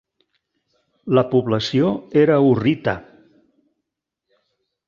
La població era hurrita.